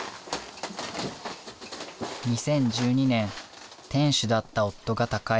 ２０１２年店主だった夫が他界。